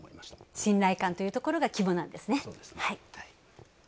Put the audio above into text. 信頼感というところが肝なんですね。